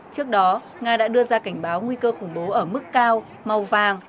trước đó nga đã đưa ra cảnh báo nguy cơ khủng bố ở mức cao màu vàng